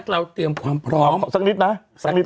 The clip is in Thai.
เราเตรียมความพร้อมเอาสักนิดนะสักนิด